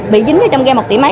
bị dính cho trong game một tỷ mấy